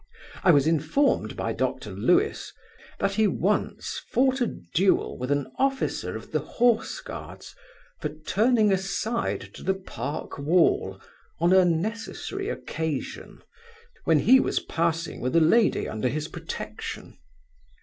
I was informed by Dr Lewis, that he once fought a duel with an officer of the horseguards, for turning aside to the Park wall, on a necessary occasion, when he was passing with a lady under his protection.